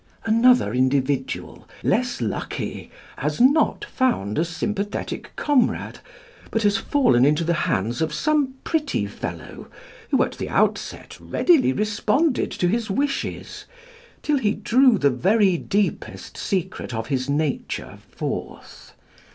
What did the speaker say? "Another individual, less lucky, has not found a sympathetic comrade, but has fallen into the hands of some pretty fellow, who at the outset readily responded to his wishes, till he drew the very deepest secret of his nature forth.